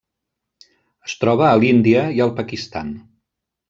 Es troba a l'Índia i al Pakistan.